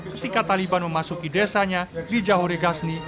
ketika taliban memasuki desanya di jahoregasni